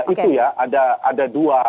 itu ya ada dua